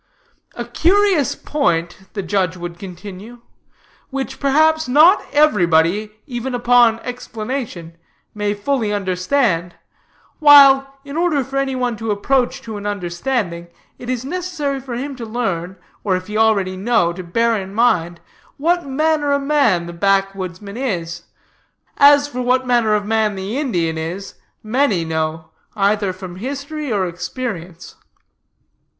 "'A curious point,' the judge would continue, 'which perhaps not everybody, even upon explanation, may fully understand; while, in order for any one to approach to an understanding, it is necessary for him to learn, or if he already know, to bear in mind, what manner of man the backwoodsman is; as for what manner of man the Indian is, many know, either from history or experience.